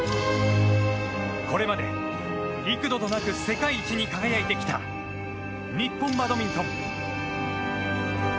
これまで幾度となく世界一に輝いてきた日本バドミントン。